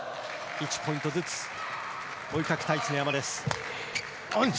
１ポイントずつ追いかけたい常山です。